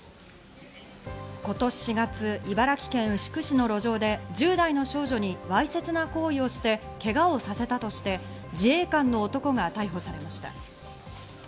今年４月、茨城県牛久市の路上で１０代の少女にわいせつな行為をしてけがをさせたとして、自衛官の男が逮捕されました。